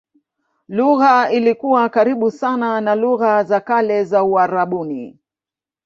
Lugha ilikuwa karibu sana na lugha za kale za Uarabuni.